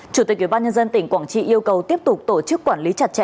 chủ tịch ủy ban nhân dân tỉnh quảng trị yêu cầu tiếp tục tổ chức quản lý chặt chẽ